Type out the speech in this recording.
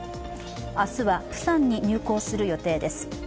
明日はプサンに入港する予定です。